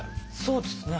そうですね。